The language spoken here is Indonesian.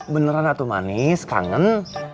beneran atu manis kangen